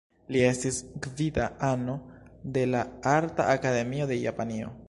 Li estis gvida ano de la Arta Akademio de Japanio.